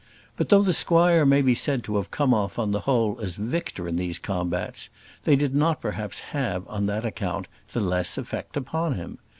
But though the squire may be said to have come off on the whole as victor in these combats, they did not perhaps have, on that account, the less effect upon him.